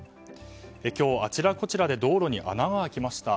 今日、あちらこちらで道路に穴が開きました。